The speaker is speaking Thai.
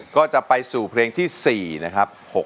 ก็จะไปสู่เพลงที่๔นะครับ